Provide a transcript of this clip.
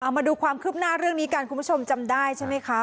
มาดูความคืบหน้าเรื่องนี้กันคุณผู้ชมจำได้ใช่ไหมคะ